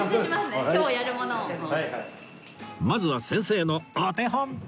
まずは先生のお手本